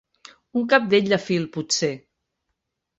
Un cabdell de fil, potser.